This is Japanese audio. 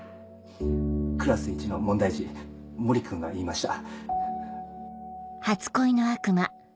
クラスいちの問題児モリ君が言いました。